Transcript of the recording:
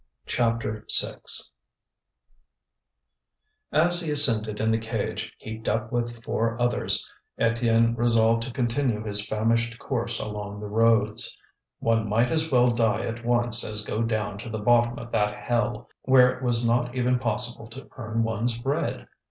CHAPTER VI As he ascended in the cage heaped up with four others, Étienne resolved to continue his famished course along the roads. One might as well die at once as go down to the bottom of that hell, where it was not even possible to earn one's bread.